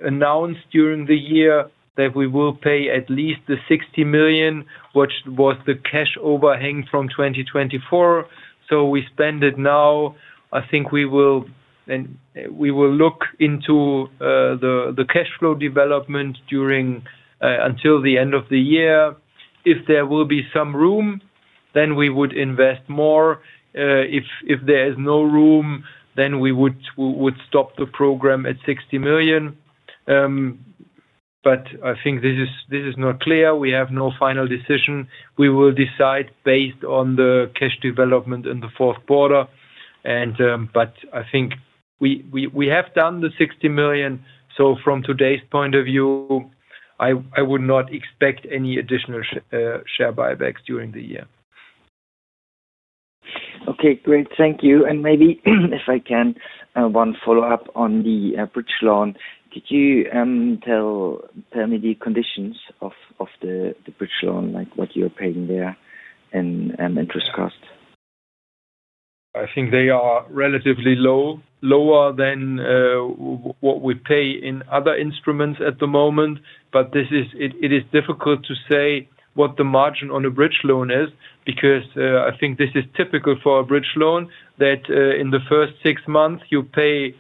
announced during the year that we will pay at least the 60 million, which was the cash overhang from 2024. We spend it now. I think we will look into the cash flow development until the end of the year. If there will be some room, then we would invest more. If there is no room, we would stop the program at 60 million. I think this is not clear. We have no final decision. We will decide based on the cash development in the fourth quarter. I think. We have done the 60 million. From today's point of view, I would not expect any additional share buybacks during the year. Okay. Great. Thank you. Maybe, if I can, one follow-up on the bridge loan. Could you tell me the conditions of the bridge loan, like what you're paying there and interest cost? I think they are relatively lower than what we pay in other instruments at the moment. It is difficult to say what the margin on a bridge loan is because I think this is typical for a bridge loan that in the first six months, you pay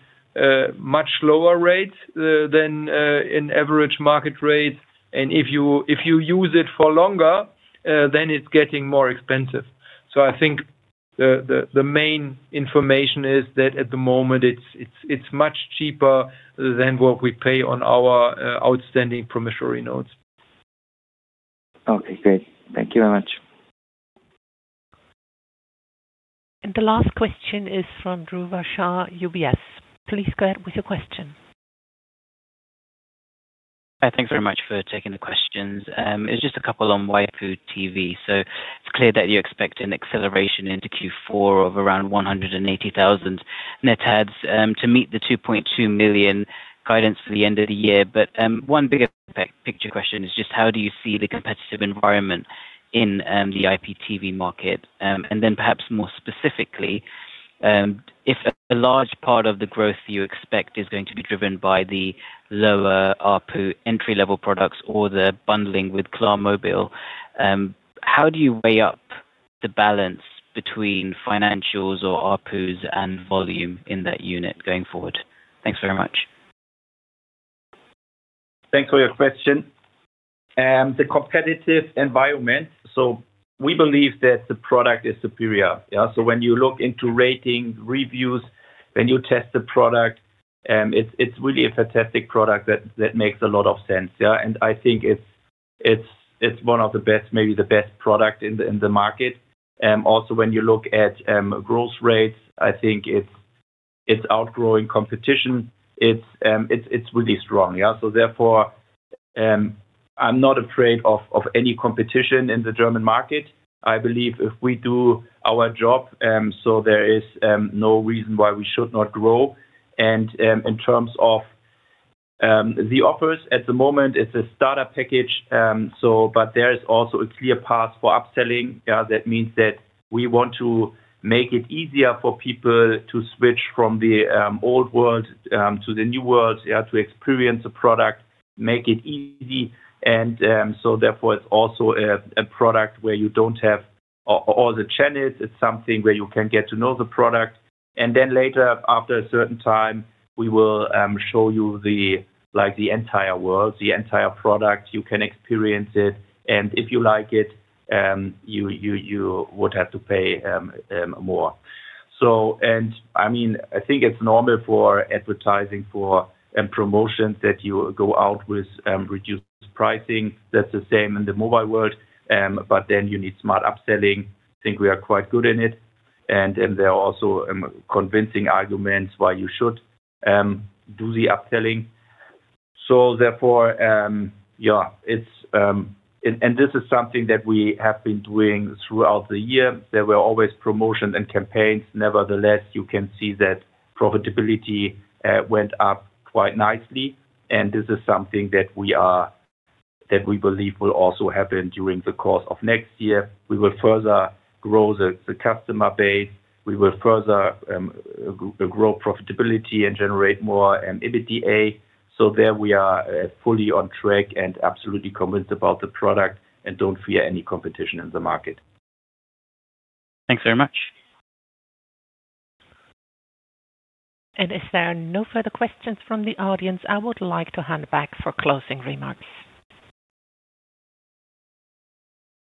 much lower rates than an average market rate. If you use it for longer, then it's getting more expensive. I think the main information is that at the moment, it's much cheaper than what we pay on our outstanding promissory notes. Okay. Great. Thank you very much. The last question is from Dhruv Ashar, UBS. Please go ahead with your question. Hi. Thanks very much for taking the questions. It's just a couple on waipu.tv. It is clear that you're expecting acceleration into Q4 of around 180,000 net adds to meet the 2.2 million guidance for the end of the year. One bigger picture question is just how do you see the competitive environment in the IPTV market? Perhaps more specifically, if a large part of the growth you expect is going to be driven by the lower ARPU entry-level products or the bundling with Klarmobil, how do you weigh up the balance between financials or ARPUs and volume in that unit going forward? Thanks very much. Thanks for your question. The competitive environment. We believe that the product is superior. Yeah. When you look into rating reviews, when you test the product, it is really a fantastic product that makes a lot of sense. Yeah. I think it is one of the best, maybe the best product in the market. Also, when you look at growth rates, I think it is outgrowing competition. It is really strong. Yeah. Therefore, I am not afraid of any competition in the German market. I believe if we do our job, there is no reason why we should not grow. In terms of the offers, at the moment, it is a startup package. There is also a clear path for upselling. Yeah. That means that we want to make it easier for people to switch from the old world to the new world, yeah, to experience a product, make it easy. Therefore, it is also a product where you do not have all the channels. It's something where you can get to know the product. Then later, after a certain time, we will show you the entire world, the entire product. You can experience it. If you like it, you would have to pay more. I mean, I think it's normal for advertising, for promotions, that you go out with reduced pricing. That's the same in the mobile world. You need smart upselling. I think we are quite good in it. There are also convincing arguments why you should do the upselling. Therefore, yeah, this is something that we have been doing throughout the year. There were always promotions and campaigns. Nevertheless, you can see that profitability went up quite nicely. This is something that we believe will also happen during the course of next year. We will further grow the customer base. We will further grow profitability and generate more EBITDA. There we are fully on track and absolutely convinced about the product and do not fear any competition in the market. Thanks very much. If there are no further questions from the audience, I would like to hand back for closing remarks.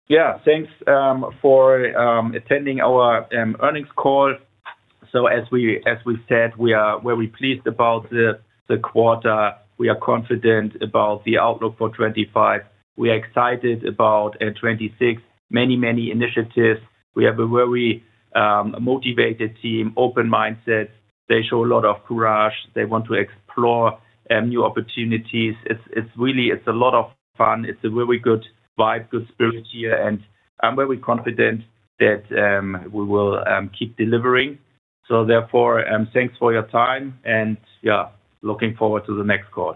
Yeah, thanks for attending our earnings call. As we said, we are very pleased about the quarter. We are confident about the outlook for 2025. We are excited about 2026. Many, many initiatives. We have a very motivated team, open mindset. They show a lot of courage. They want to explore new opportunities. It is a lot of fun. It is a very good vibe, good spirit here. I am very confident that we will keep delivering. Therefore, thanks for your time. Yeah, looking forward to the next quarter.